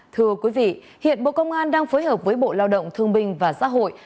thưa quý vị hiện bộ công an đang phối hợp với bộ lao động thương binh và xã hội